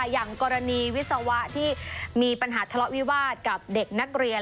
อย่างกรณีวิศวะที่มีปัญหาทะเลาะวิวาสกับเด็กนักเรียน